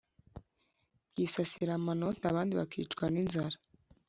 byisasira amanoti abandi bakicwa n'inzara